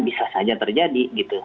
bisa saja terjadi gitu